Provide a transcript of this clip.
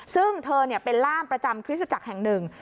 ซึ่งเธอเป็นล่ามประจำคริสตจักรแห่งหนึ่ง